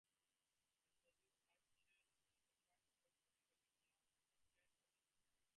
It has been cited as the prime spot in North Carolina for train watchers.